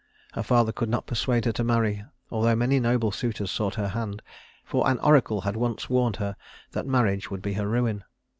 Her father could not persuade her to marry, although many noble suitors sought her hand; for an oracle had once warned her that marriage would be her ruin.